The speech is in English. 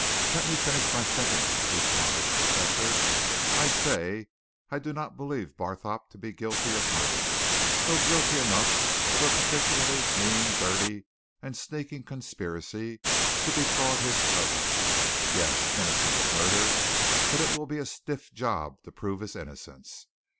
"Let me finish my sentence," responded the Professor. "I say, I do not believe Barthorpe to be guilty of murder, though guilty enough of a particularly mean, dirty, and sneaking conspiracy to defraud his cousin. Yes, innocent of murder but it will be a stiff job to prove his innocence.